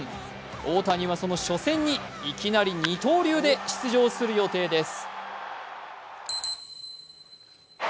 大谷はその初戦にいきなり二刀流で出場する予定です。